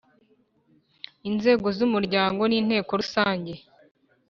Inzego z Umuryango ni Inteko Rusange